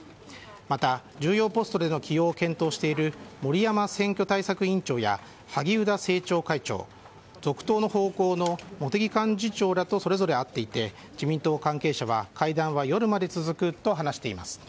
また、重要ポストでの起用を検討している森山選挙対策委員長や萩生田政調会長続投の方向の茂木幹事長らとそれぞれ会っていて自民党関係者は会談は夜まで続くと話しています。